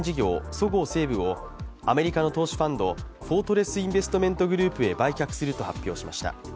そごう・西武をアメリカの投資ファンドフォートレス・インベストメント・グループへ売却すると発表しました。